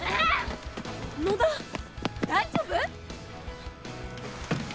野田大丈夫？